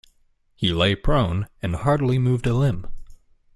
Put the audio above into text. He lay prone and hardly moved a limb.